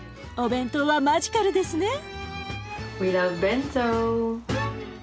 お弁当はマジカルですね。